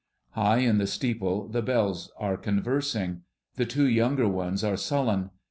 High in the steeple the bells are conversing. The two younger ones are sullen.